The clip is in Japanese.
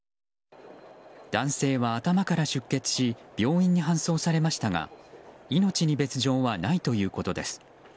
男性は頭から出血し病院に搬送されましたが命に別条はないということです。